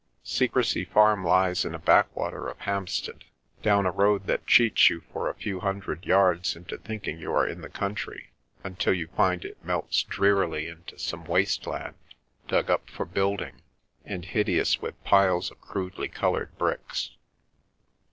Secrecy Farm lies in a backwater of Hampstead, down a road that cheats you for a few hundred yards into thinking you are in the country, until you find it melts drearily into some waste land dug up for building, and hideous with piles of crudely coloured bricks.